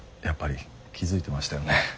やっぱり気付いてましたよね？